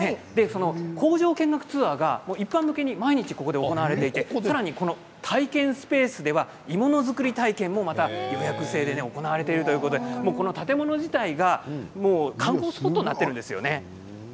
工場見学ツアーが一般向けに毎日ここで行われていて体験スペースでは鋳物作り体験も予約制で行われているということで建物自体が観光スポットになっているんですよね。